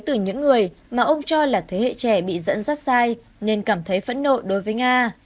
từ những người mà ông cho là thế hệ trẻ bị dẫn dắt sai nên cảm thấy phẫn nộ đối với nga